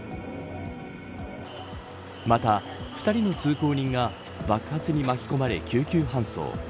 また、２人の通行人が爆発に巻き込まれ、救急搬送。